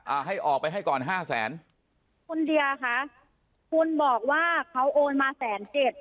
อ่าให้ออกไปให้ก่อนห้าแสนคุณเดียค่ะคุณบอกว่าเขาโอนมาแสนเจ็ด